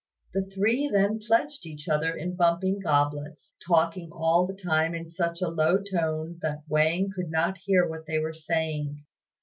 The three then pledged each other in bumping goblets, talking all the time in such a low tone that Wang could not hear what they were saying.